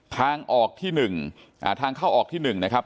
ทางออกที่หนึ่งทางเข้าออกที่หนึ่งนะครับ